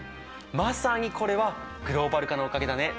まさにこれはグローバル化のおかげだね。